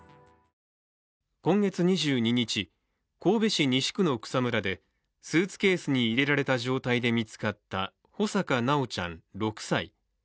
今月２２日、神戸市西区の草むらでスーツケースに入れられた状態で見つかった穂坂修ちゃん、６歳。